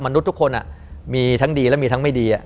ทุกคนมีทั้งดีและมีทั้งไม่ดี